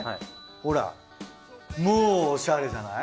ほらもうおしゃれじゃない？